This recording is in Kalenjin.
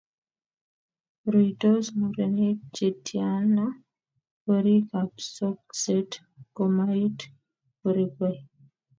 Ruitos murenik chetiana gorikab sokset komait gorikwai?